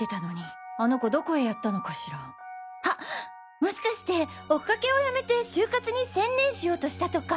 もしかしておっかけをやめて就活に専念しようとしたとか？